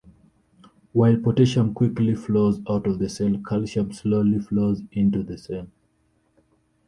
While potassium quickly flows out of the cell, calcium slowly flows into the cell.